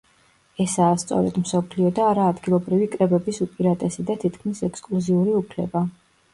ესაა სწორედ მსოფლიო და არა ადგილობრივი კრებების უპირატესი და თითქმის ექსკლუზიური უფლება.